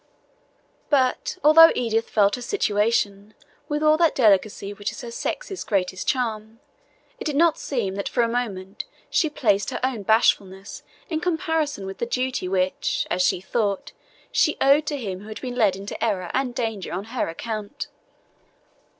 But although Edith felt her situation with all that delicacy which is her sex's greatest charm, it did not seem that for a moment she placed her own bashfulness in comparison with the duty which, as she thought, she owed to him who had been led into error and danger on her account.